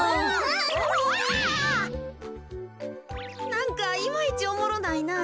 なんかいまいちおもろないな。